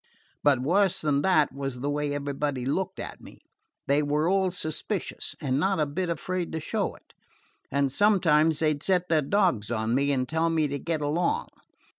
But worse than that was the way everybody looked on me. They were all suspicious, and not a bit afraid to show it, and sometimes they 'd set their dogs on me and tell me to get along.